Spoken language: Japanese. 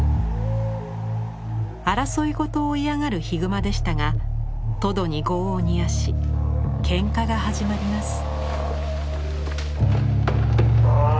争いごとを嫌がるヒグマでしたがトドに業を煮やし喧嘩が始まります。